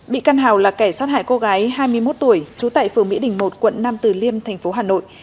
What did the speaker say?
bị can hào là kẻ sát hại cô gái hai mươi một tuổi trú tại phường mỹ đình một quận nam từ liêm tp hà nội